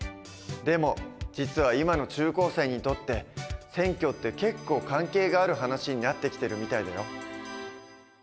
でも実は今の中高生にとって選挙って結構関係がある話になってきてるみたいだよ。